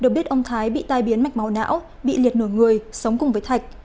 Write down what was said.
được biết ông thái bị tai biến mạch máu não bị liệt nửa người sống cùng với thạch